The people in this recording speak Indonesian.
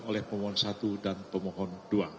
oleh permohon satu dan permohon dua